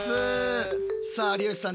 さあ有吉さん